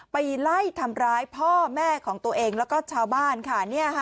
ไปไล่ทำร้ายพ่อแม่ของตัวเองแล้วก็ชาวบ้านค่ะ